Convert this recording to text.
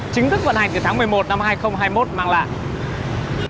chính thức vận hành từ tháng một mươi một năm hai nghìn hai mươi một mang lại